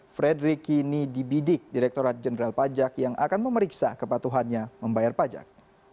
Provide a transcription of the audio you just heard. fredrik kini dibidik direkturat jenderal pajak yang akan memeriksa kepatuhannya membayar pajak